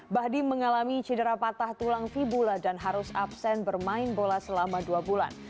bahdim mengalami cedera patah tulang vibula dan harus absen bermain bola selama dua bulan